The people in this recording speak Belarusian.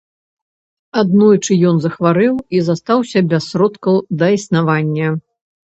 Аднойчы ён захварэў і застаўся без сродкаў да існавання.